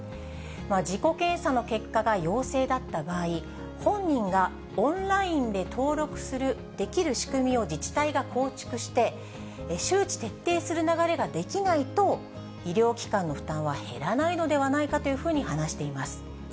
自己検査の結果が陽性だった場合、本人がオンラインで登録できる仕組みを自治体が構築して、周知徹底する流れができないと、医療機関の負担は減らないのではないかというふうに話しています。